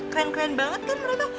keren keren banget kan mereka